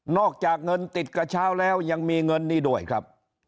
อกจากเงินติดกระเช้าแล้วยังมีเงินนี้ด้วยครับ